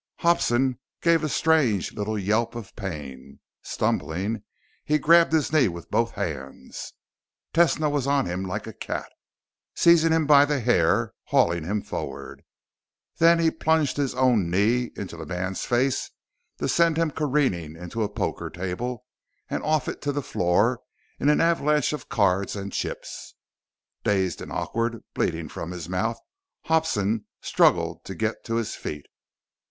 Hobson gave a strange little yelp of pain. Stumbling, he grabbed his knee with both hands. Tesno was on him like a cat, seizing him by the hair, hauling him forward. Then he plunged his own knee into the man's face to send him careening into a poker table and off it to the floor in an avalanche of cards and chips. Dazed and awkward, bleeding from his mouth, Hobson struggled to get to his feet.